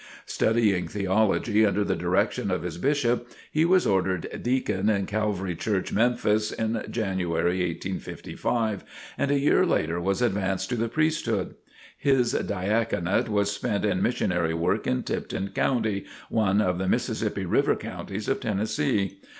Studying theology under the direction of his Bishop, he was ordered deacon in Calvary Church, Memphis, in January, 1855, and a year later was advanced to the priesthood. His diaconate was spent in missionary work in Tipton County, one of the Mississippi River counties of Tennessee.